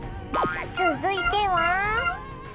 続いては。